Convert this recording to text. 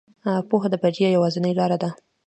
پوهه د بریا یوازینۍ لاره ده.